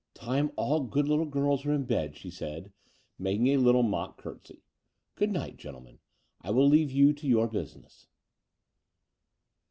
"Time all good little girls were in bed," she said, making a little mock curtsey. ''Good night, gen tlemen: I will leave you to your business."